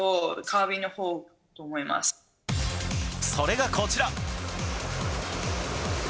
それが、こちら。